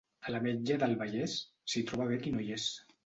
A l'Ametlla del Vallès, s'hi troba bé qui no hi és.